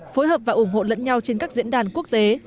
phối hợp và ủng hộ lẫn nhau trên các diễn đàn quốc tế